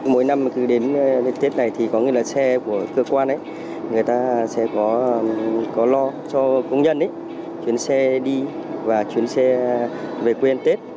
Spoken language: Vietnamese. mỗi năm cứ đến tết này thì có nghĩa là xe của cơ quan ấy người ta sẽ có lo cho công nhân chuyến xe đi và chuyến xe về quê ăn tết